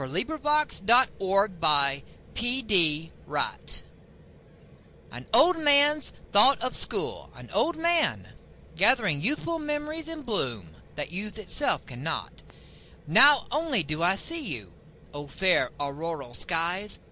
An Old Man's Thought of School AN old man's thought of School; An old man, gathering youthful memories and blooms, that youth itself cannot. Now only do I know you!O fair auroral skies!